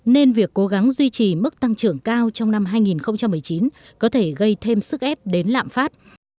nên việc cố gắng duy trì mức tăng trưởng cao trong năm hai nghìn một mươi chín có thể gây thêm sức ép đến lạm phát